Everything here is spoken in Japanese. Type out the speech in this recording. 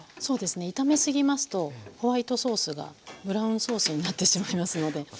そうですね炒めすぎますとホワイトソースがブラウンソースになってしまいますので。